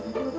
aduh ada ada